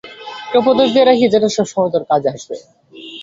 একটা উপদেশ দিয়ে রাখি যেটা সবসময় তোর কাজে আসবে।